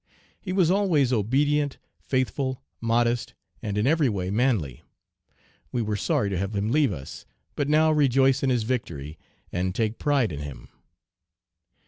He was always obedient, faithful, modest, and in every way manly. We were sorry to have him leave us; but now rejoice in his victory, and take pride in him.